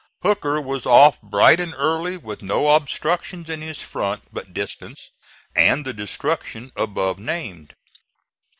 Hooker was off bright and early, with no obstructions in his front but distance and the destruction above named.